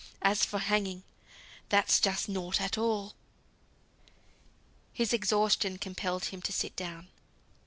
As for hanging, that's just nought at all." His exhaustion compelled him to sit down.